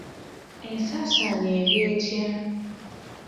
Ensaasaanya eri etya?